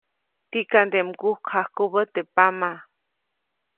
Tikaʼnde mgukjajkubä teʼ pama.